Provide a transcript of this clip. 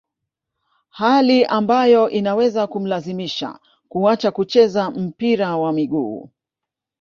hali ambayo inaweza kumlazimisha kuacha kucheza mpira wa miguu